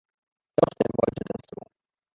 Doch, der wollte das so!